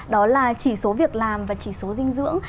đó là chỉ số việc làm và chỉ số dinh dưỡng